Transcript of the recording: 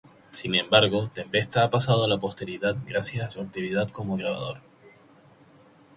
Sin embargo, Tempesta ha pasado a la posteridad gracias a su actividad como grabador.